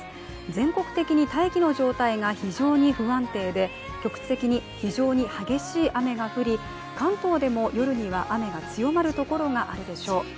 全国的に大気の状態が非常に不安定で局地的に非常に激しい雨が降り関東でも夜には雨が強まるところがあるでしょう。